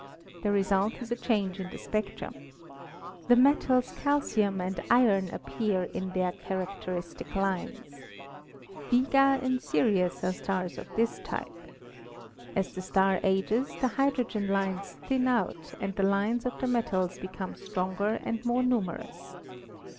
The result is a change in the spectrum. The metals calcium and iron appear in their characteristic lines. Vega and Sirius are stars of this type. As the star ages the hydrogen lines thin out and the lines of the metals become stronger and more numerous.